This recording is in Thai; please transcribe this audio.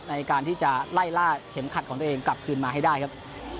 ในการที่จะไล่ล่าเข็มขัดของตัวเองกลับคืนมาให้ได้ครับ